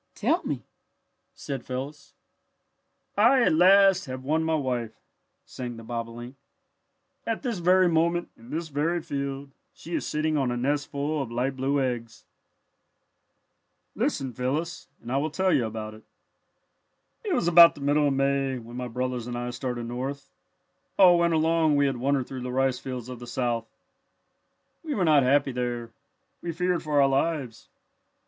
"Tell me " said Phyllis. "I at last have won my wife," sang the bobolink. "At this very moment, in this very field, she is sitting on a nestful of light blue eggs." [Illustration: "'She is sitting on a nestful of light blue eggs'"] "Listen, Phyllis, and I will tell you all about it. "It was about the middle of May when my brothers and I started north. All winter long we had wandered through the rice fields of the South. "We were not happy there. We feared for our lives.